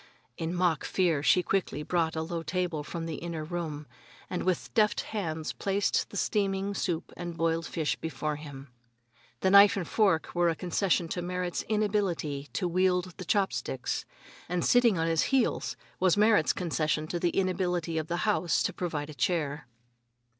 In mock fear she quickly brought a low table from an inner room, and with deft hands placed the steaming soup and broiled fish before him. The knife and fork were a concession to Merrit's inability to wield the chopsticks, and sitting on his heels was Merrit's concession to the inability of the house to provide a chair.